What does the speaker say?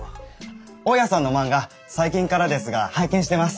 大家さんの漫画最近からですが拝見してます。